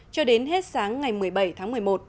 cho đến hết sáng ngày một mươi bảy tháng một mươi một